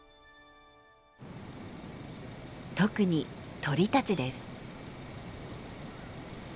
特に鳥たちです。